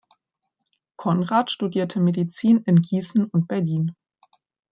Konrad studierte Medizin in Gießen und Berlin.